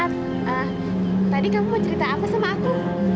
tadi kamu mau cerita apa sama aku